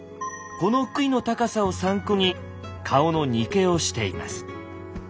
この杭の高さを参考に顔の肉付けをしていきます。